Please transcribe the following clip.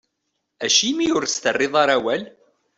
Acimi ur as-terriḍ ara awal?